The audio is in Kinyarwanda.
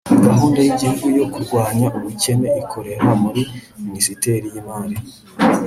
gahunda y'igihugu yo kurwanya ubukene ikorera muri minisiteri y'lmari